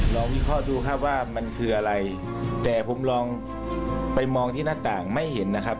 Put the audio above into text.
วิเคราะห์ดูครับว่ามันคืออะไรแต่ผมลองไปมองที่หน้าต่างไม่เห็นนะครับ